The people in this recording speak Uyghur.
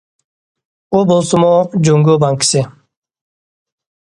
ئۇ بولسىمۇ جۇڭگو بانكىسى.